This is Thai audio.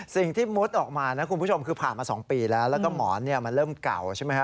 มุดออกมานะคุณผู้ชมคือผ่านมา๒ปีแล้วแล้วก็หมอนมันเริ่มเก่าใช่ไหมฮ